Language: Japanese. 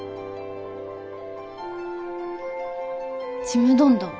「ちむどんどん」。